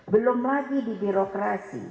belum lagi di birokrasi